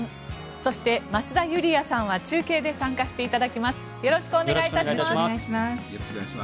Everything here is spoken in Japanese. そして、増田ユリヤさんは中継で参加していただきます。